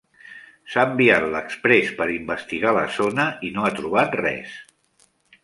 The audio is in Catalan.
S'ha enviat l'"Express" per investigar la zona i no ha trobat res.